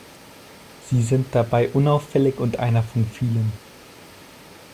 Sie sind dabei unauffällig und „einer von vielen“.